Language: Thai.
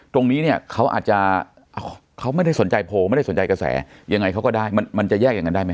ตรงนี้เค้าอาจจะ